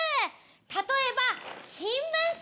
例えば新聞紙。